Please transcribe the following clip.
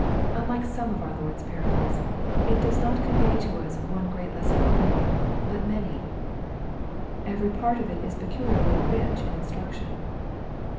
Unlike some of our Lord's par ables, it does not convey to us one great lesson only, but many. Every part of it is peculiarly rich in instruction.